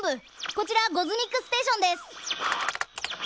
こちらゴズミックステーションです。